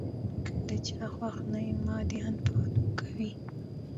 کۀ د چا خوښ نۀ يم ما دې نۀ فالو کوي -